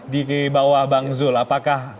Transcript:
di bawah bang zul apakah